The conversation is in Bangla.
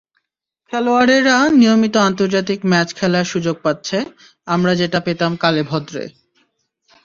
খেলোয়াড়েরা নিয়মিত আন্তর্জাতিক ম্যাচ খেলার সুযোগ পাচ্ছে, আমরা যেটা পেতাম কালেভদ্রে।